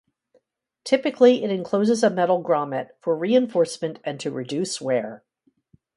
Typically it encloses a metal grommet for reinforcement and to reduce wear.